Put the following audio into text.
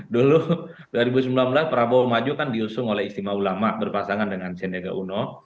dulu dua ribu sembilan belas prabowo maju kan diusung oleh istimewa ulama berpasangan dengan sendega uno